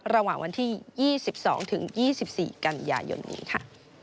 ระหว่างวันที่๒๒ถึง๒๒๔กันยายนนี้ค่ะ